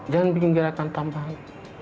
jangan bikin gerakan tambahan